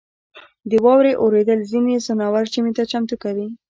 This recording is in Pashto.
• د واورې اورېدل ځینې ځناور ژمي ته چمتو کوي.